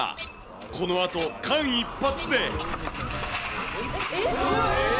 このあと間一髪で。